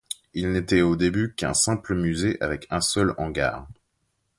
Il n'était au début qu'un simple musée avec un seul hangar.